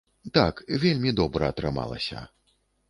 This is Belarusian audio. Так, вельмі добра атрымалася.